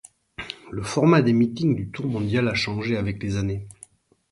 Le format des meetings du Tour mondial a changé avec les années.